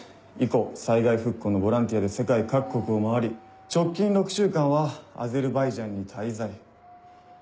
以降災害復興のボランティアで世界各国を回り直近６週間はアゼルバイジャンに滞在。